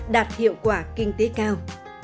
đạt hiệu quả kinh tế cao